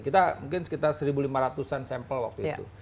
kita mungkin sekitar satu lima ratus an sampel waktu itu